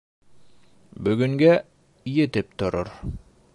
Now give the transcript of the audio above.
Бөгөнгә... етеп торор.